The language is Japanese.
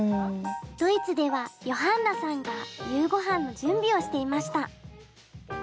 ドイツではヨハンナさんが夕御飯の準備をしていました。